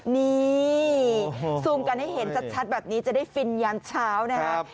นี่ซูมกันให้เห็นชัดแบบนี้จะได้ฟินยามเช้านะครับ